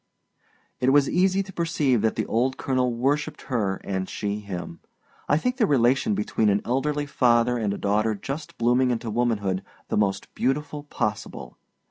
It was easy to perceive that the old colonel worshipped her and she him. I think the relation between an elderly father and a daughter just blooming into womanhood the most beautiful possible.